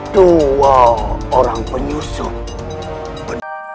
dua orang penyusup